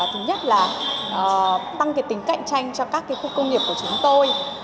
thứ nhất là tăng cái tính cạnh tranh cho các cái khu công nghiệp của chúng tôi